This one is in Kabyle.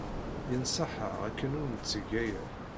Yenṣeḥ-aɣ akken ur ntteg aya.